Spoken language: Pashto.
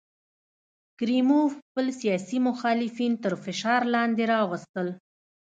کریموف خپل سیاسي مخالفین تر فشار لاندې راوستل.